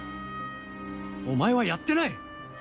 お前はやってない！